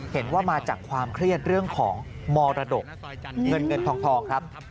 เห็นว่ามาจากความเครียดเรื่องของมรดกเงินเงินทองครับ